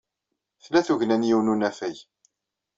Tla tugna n yiwen n unafag.